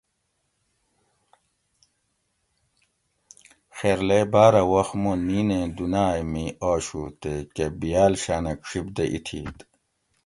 خیرلے بارہ وخت مو نینیں دنائے می آشو تے کہ بیال شانہ ڄِھب دہ اِتھیت